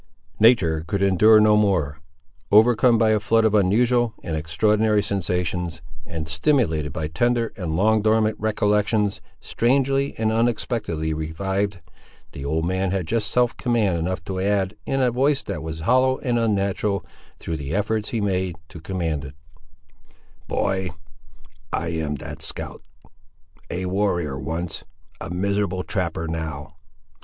Nature could endure no more. Overcome by a flood of unusual and extraordinary sensations, and stimulated by tender and long dormant recollections, strangely and unexpectedly revived, the old man had just self command enough to add, in a voice that was hollow and unnatural, through the efforts he made to command it— "Boy, I am that scout; a warrior once, a miserable trapper now!"